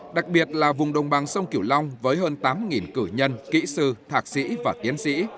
đặc biệt là vùng đồng bằng sông kiểu long với hơn tám cử nhân kỹ sư thạc sĩ và tiến sĩ